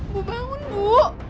bu bangun bu